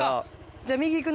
じゃあ右行くね。